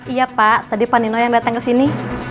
iya pak tadi pak nino yang datang kesini